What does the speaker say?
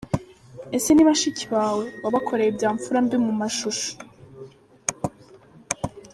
Ese ni bashiki bawe? Wabakoreye ibya mfura mbi mu mashusho.